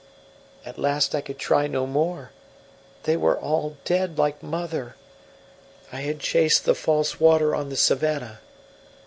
At last I could try no more; they were all dead like mother; I had chased the false water on the savannah.